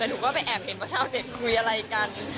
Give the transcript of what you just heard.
แต่หนูก็ไปแอบเห็นว่าชาวเน็ตคุยอะไรกัน